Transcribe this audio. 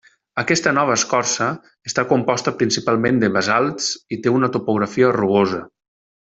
Aquesta nova escorça està composta principalment de basalts i té una topografia rugosa.